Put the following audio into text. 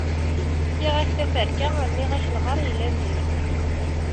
Fkiɣ-ak taferka rniɣ-ak lɣar yellan deg-s.